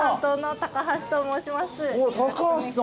高橋さん